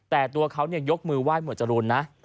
แต่ตัวเขายกมือไหว้หมวดจรูนนะ